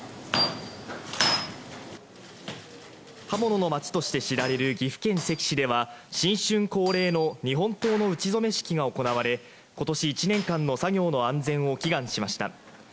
刃物の町として知られる岐阜県関市では、新春恒例の日本刀の打ち初め式が行われ、今年１年間の作業の安全を祈願しました。